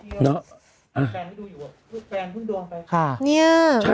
แฟนผู้ดวงประคา